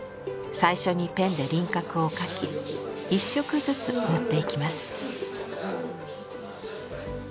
最初にペンで輪郭を描き一色ずつ塗っていきます。